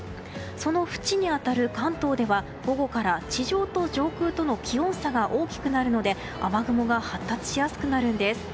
そのふちに当たる関東では午後から地上と上空との気温差が大きくなるので雨雲が発達しやすくなるんです。